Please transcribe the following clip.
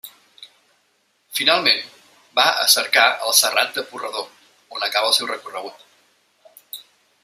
Finalment, va a cercar el Serrat de Purredó, on acaba el seu recorregut.